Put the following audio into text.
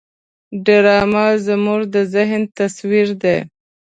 ډرامه زموږ د ذهن تصویر دی